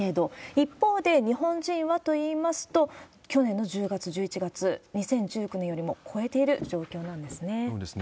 一方で、日本人はといいますと、去年の１０月、１１月、２０１９年よりも超えている状況なんですね。